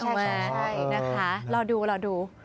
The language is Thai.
ออกมานะคะรอดู